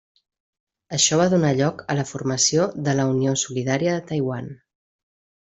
Això va donar lloc a la formació de la Unió Solidària de Taiwan.